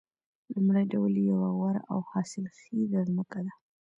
لومړی ډول یې یوه غوره او حاصلخیزه ځمکه ده